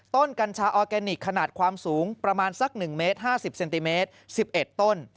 กัญชาออร์แกนิคขนาดความสูงประมาณสัก๑เมตร๕๐เซนติเมตร๑๑ต้น